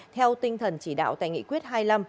theo tinh thần chỉ đạo tại nghị quyết hai mươi năm